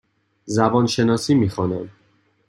زبان شناسی می خوانم.